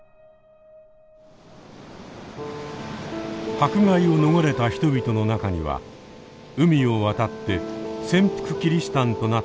迫害を逃れた人々の中には海を渡って潜伏キリシタンとなった者もいる。